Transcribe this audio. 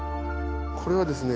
これはですね。